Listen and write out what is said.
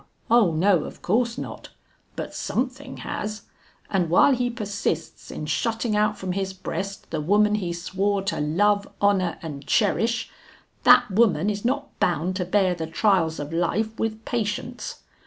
O no, of course not! But something has, and while he persists in shutting out from his breast the woman he swore to love, honor, and cherish, that woman is not bound to bear the trials of life with patience.